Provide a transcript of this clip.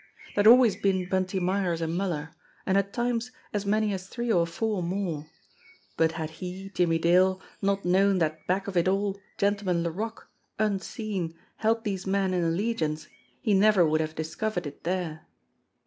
There had always been Bunty Myers and Muller, and at times as many as three or four more, but had he, Jimmie Dale, not known that back of it all Gentleman Laroque, un seen, held these men in allegiance, he never would have dis covered it there